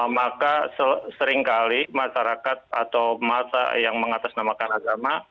maka seringkali masyarakat atau masa yang mengatasnamakan agama